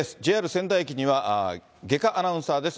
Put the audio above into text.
仙台駅には外賀アナウンサーです。